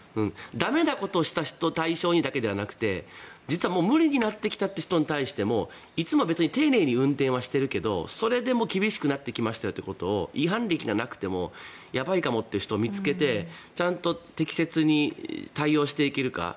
駄目なことをした人を対象にだけではなくて実はもう無理になってきた人に対してもいつも別に丁寧に運転はしているけれどもそれでも厳しくなってきましたということを違反歴がなくてもやばいかもっていう人を見つけてちゃんと適切に対応していけるか。